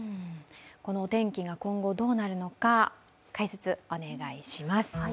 このお天気が今後どうなるのか解説お願いします。